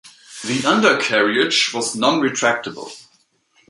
The undercarriage was non-retractable.